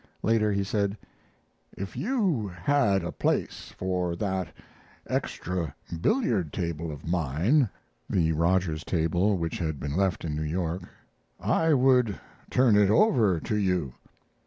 Later he said: "If you had a place for that extra billiard table of mine [the Rogers table, which had been left in New York] I would turn it over to you."